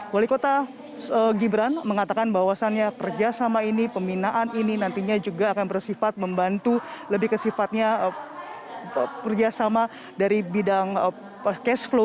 wali kota gibran mengatakan bahwasannya kerjasama ini pembinaan ini nantinya juga akan bersifat membantu lebih ke sifatnya kerjasama dari bidang cash flow